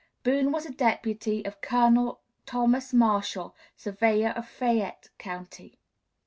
Boone was a deputy of Colonel Thomas Marshall, Surveyor of Fayette County.